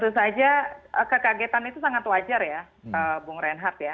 tentu saja kekagetan itu sangat wajar ya bung reinhardt ya